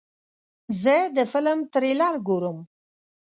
زه د فلم تریلر ګورم.